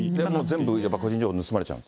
全部やっぱ個人情報、盗まれちゃう？